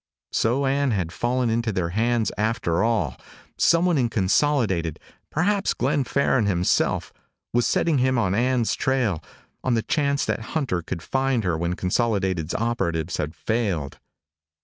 So Ann had fallen into their hands after all! Someone in Consolidated perhaps Glenn Farren himself was setting him on Ann's trail, on the chance that Hunter could find her when Consolidated's operatives had failed.